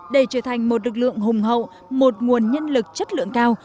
để trở thành một lực lượng hùng hậu một nguồn nhân lực chất lượng cao